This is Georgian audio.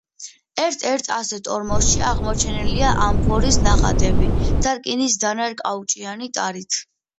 ერთ-ერთ ასეთ ორმოში აღმოჩენილია ამფორის ნატეხები და რკინის დანა კაუჭიანი ტარით.